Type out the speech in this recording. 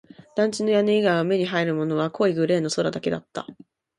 団地の屋根以外に目に入るものは濃いグレーの空だけだった